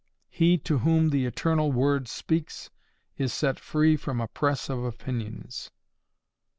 '" (He to whom the eternal Word speaks, is set free from a press of opinions.)